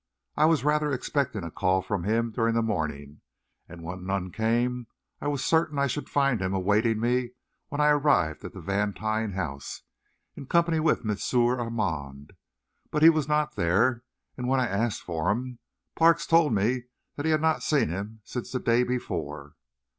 I was rather expecting a call from him during the morning, and when none came, I was certain I should find him awaiting me when I arrived at the Vantine house, in company with M. Armand. But he was not there, and when I asked for him, Parks told me that he had not seen him since the day before.